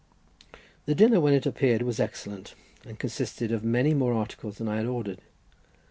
The dinner when it appeared was excellent, and consisted of many more articles than I had ordered.